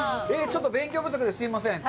ちょっと勉強不足ですいません。